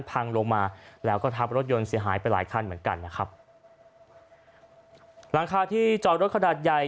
พังลงมาแล้วก็ทับรถยนต์เสียหายไปหลายคันเหมือนกันนะครับหลังคาที่จอดรถขนาดใหญ่